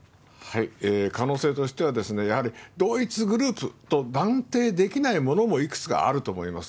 可能性としては、やはり同一グループと断定できないものも、いくつかあると思います。